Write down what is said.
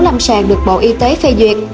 lâm sàng được bộ y tế phê duyệt